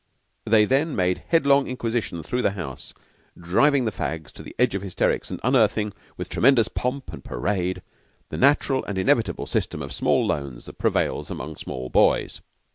They then made headlong inquisition through the house, driving the fags to the edge of hysterics, and unearthing, with tremendous pomp and parade, the natural and inevitable system of small loans that prevails among small boys.